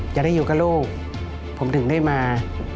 จะได้อยู่กับลูกผมถึงได้มา